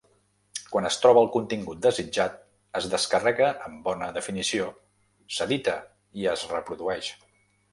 Quan es troba el contingut desitjat, es descarrega amb bona definició, s'edita i es reprodueix.